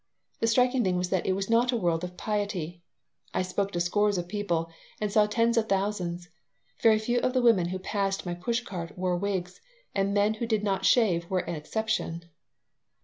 The striking thing was that it was not a world of piety. I spoke to scores of people and I saw tens of thousands. Very few of the women who passed my push cart wore wigs, and men who did not shave were an exception.